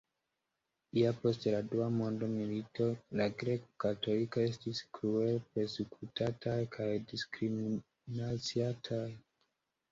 Ja post la dua mondmilito la grek-katolikoj estis kruele persekutataj kaj diskriminaciataj.